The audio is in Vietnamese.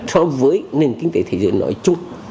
so với nền kinh tế thế giới nói chung